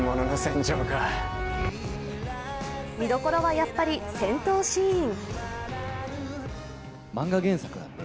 見どころは、やっぱり戦闘シーン。